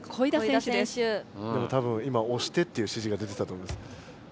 でもたぶん今「押して」っていうしじが出てたと思います。